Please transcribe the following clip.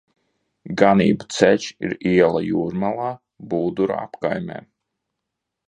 Ganību ceļš ir iela Jūrmalā, Bulduru apkaimē.